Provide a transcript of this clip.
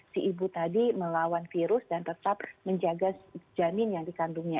si ibu tadi melawan virus dan tetap menjaga janin yang dikandungnya